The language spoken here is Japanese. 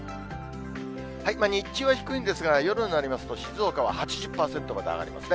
日中は低いんですが、夜になりますと、静岡は８０％まで上がりますね。